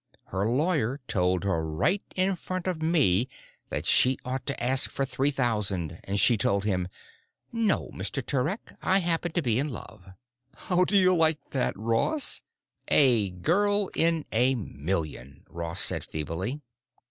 Her lawyer told her right in front of me that she ought to ask for three thousand, and she told him, 'No, Mr. Turek. I happen to be in love.' How do you like that, Ross?" "A girl in a million," Ross said feebly.